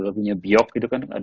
lagunya biok gitu kan